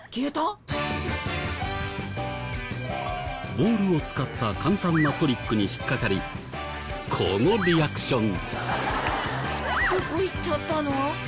ボールを使った簡単なトリックに引っかかりこのリアクション。